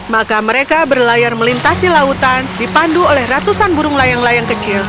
maka mereka berlayar melintasi lautan dipandu oleh ratusan burung layang layang kecil